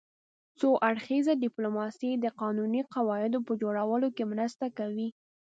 څو اړخیزه ډیپلوماسي د قانوني قواعدو په جوړولو کې مرسته کوي